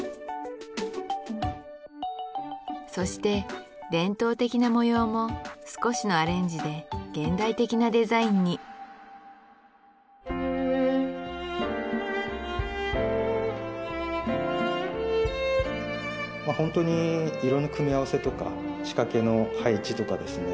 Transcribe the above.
そして伝統的な模様も少しのアレンジで現代的なデザインにホントに色の組み合わせとか仕掛けの配置とかですね